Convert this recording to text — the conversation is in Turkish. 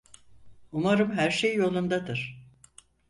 Umarım her şey yolundadır.